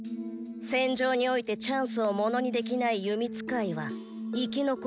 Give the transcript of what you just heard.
戦場においてチャンスをものにできない弓使いは生き残れねぇ。